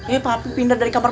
eh papi pindah dari kamar